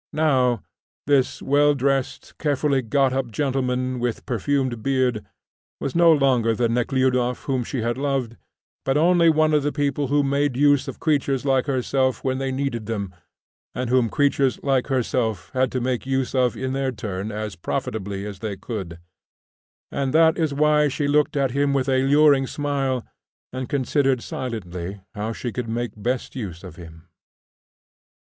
Now, this well dressed, carefully got up gentleman with perfumed beard was no longer the Nekhludoff whom she had loved but only one of the people who made use of creatures like herself when they needed them, and whom creatures like herself had to make use of in their turn as profitably as they could; and that is why she looked at him with a luring smile and considered silently how she could best make use of him.